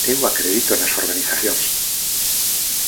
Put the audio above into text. Eu acredito nas organizacións.